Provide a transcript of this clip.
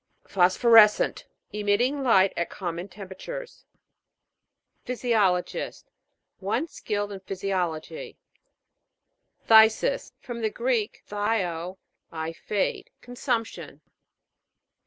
PHOSPHORES'CENT. Emitting light at common temperatures. PHYSIO'LOGIST. One skilled in phy siology. PHTHI'SIS. From the Greek, phthio, I fade. Consumption.